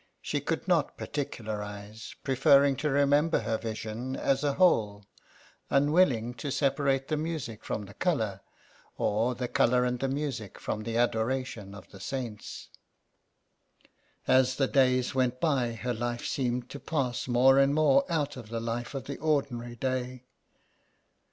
She could not particularize, preferring to remember her vision as a whole, unwilling to separate the music from the colour, or the colour and the music from the adora tion of the saints. As the days went by her life seemed to pass more and more out of the life of the ordinary day.